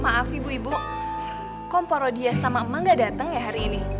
maaf ibu ibu kok poro dia sama emak gak dateng ya hari ini